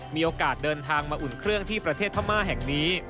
มีโอกาสเดินทางมาอุ่นเครื่องที่ประเทศพม่าแห่งนี้